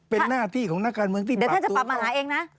เป็นหน้าที่ของนักการเมืองที่ปรับตัวเข้าหา